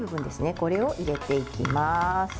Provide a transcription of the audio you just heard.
これを入れていきます。